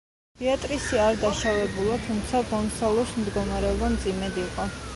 ბეატრისი არ დაშავებულა, თუმცა გონსალოს მდგომარეობა მძიმედ იყო.